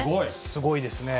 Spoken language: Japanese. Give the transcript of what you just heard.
すごいですね。